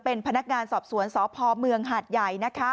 เป็นพนักงานสอบสวนสพเมืองหาดใหญ่